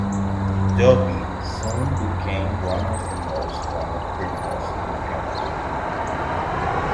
Dubey soon became one of the most wanted criminals in Kanpur.